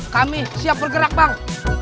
kami siap bergerak bang